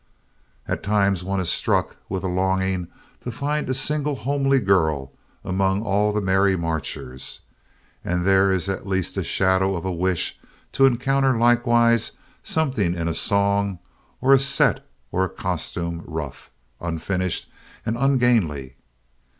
At times one is struck with a longing to find a single homely girl among all the merry marchers. And there is at least a shadow of a wish to encounter, likewise, something in a song or a set or a costume rough, unfinished and ungainly.